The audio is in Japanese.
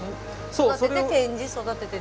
育てて展示育てて展示。